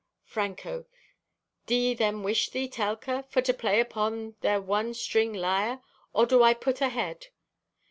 (Franco) "Do ye then wish thee, Telka, for to play upon their one string lyre, or do I put ahead?"